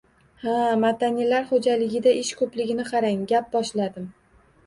Ha-a, Mattanilar xo`jaligida ish ko`pligini qarang, gap boshladim